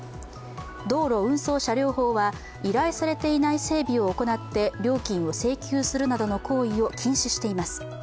道路運送車両法は依頼されていない整備を行って料金を請求するなどの行為を禁止しています。